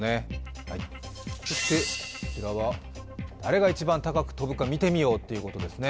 こちらは、誰が一番高く跳ぶか見てみようということですね。